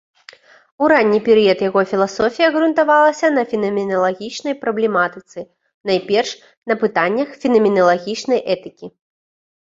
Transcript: У ранні перыяд яго філасофія грунтавалася на фенаменалагічнай праблематыцы, найперш, на пытаннях фенаменалагічнай этыкі.